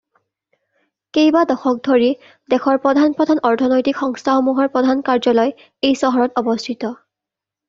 কেইবা দশক ধৰি দেশৰ প্ৰধান প্ৰধান অৰ্থনৈতিক সংস্থাসমূহৰ প্ৰধান কাৰ্যালয় এই চহৰত অবস্থিত।